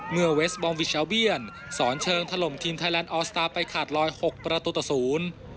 เมื่อเวสบอมวิชาเบียนสอนเชิงถล่มทีมไทยแลนด์ออสตาร์ไปขาดลอยหกประตูต่อศูนย์